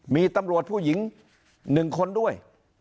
มีตำรวจผู้หญิง๑คนด้วย